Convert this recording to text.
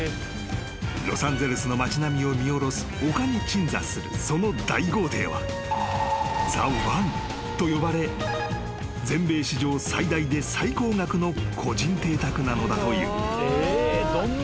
［ロサンゼルスの町並みを見下ろす丘に鎮座するその大豪邸はＴＨＥＯＮＥと呼ばれ全米史上最大で最高額の個人邸宅なのだという］